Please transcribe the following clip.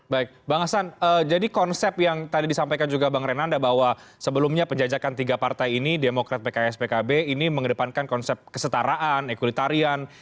baik bang hasan jadi konsep yang tadi disampaikan juga bang renanda bahwa sebelumnya penjajakan tiga partai ini demokrat pks pkb ini mengedepankan konsep kesetaraan ekulitarian